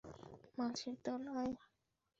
মাছির দল, আয়!